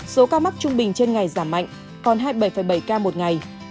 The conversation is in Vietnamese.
số ca mắc trung bình trên ngày giảm mạnh còn hai mươi bảy bảy ca một ngày